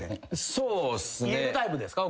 そうっすね。